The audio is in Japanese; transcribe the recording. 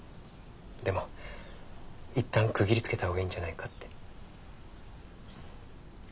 でもいったん区切りつけた方がいいんじゃないかって。